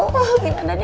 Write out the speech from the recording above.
masih ada yang nunggu